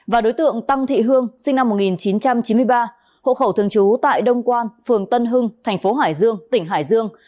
và đối tượng tăng thị hương sinh năm một nghìn chín trăm chín mươi ba hộ khẩu thường trú tại đông quan phường tân hưng thành phố hải dương tỉnh hải dương